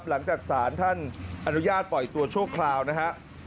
หลังจากศาลท่านอนุญาตปล่อยตัวชั่วคราวนะฮะ